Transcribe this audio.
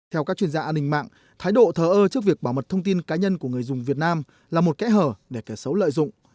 theo các chuyên gia an ninh mạng thái độ thờ ơ trước việc bảo mật thông tin cá nhân của người dùng việt nam là một kẽ hở để kẻ xấu lợi dụng